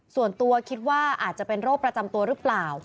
ส่วนตัวคิดว่าอาจจะเป็นโรคประจำตัวหรือเปล่า